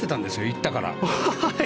行ったから。